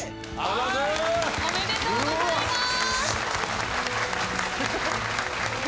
おめでとうございます。